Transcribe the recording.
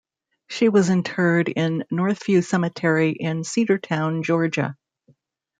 She was interred in Northview Cemetery in Cedartown, Georgia.